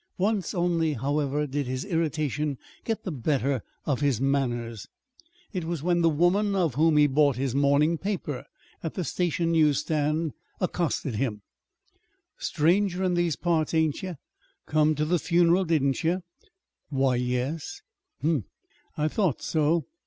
Once, only, however, did his irritation get the better of his manners. It was when the woman of whom he bought his morning paper at the station newsstand, accosted him "Stranger in these parts, ain't ye? Come to the fun'ral, didn't ye?" "Why y yes." "Hm m; I thought so.